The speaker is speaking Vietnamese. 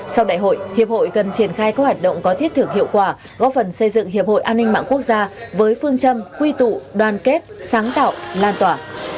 sau đại hội hiệp hội cần triển khai các hoạt động có thiết thưởng hiệu quả góp phần xây dựng hiệp hội an ninh mạng quốc gia với phương châm quy tụ đoàn kết sáng tạo lan tỏa